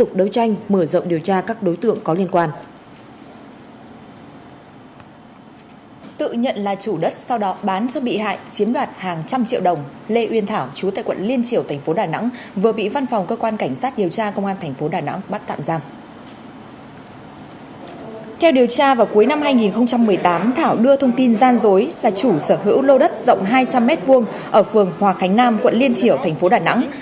theo điều tra vào cuối năm hai nghìn một mươi tám thảo đưa thông tin gian dối là chủ sở hữu lô đất rộng hai trăm linh m hai ở phường hòa khánh nam quận liên triểu thành phố đà nẵng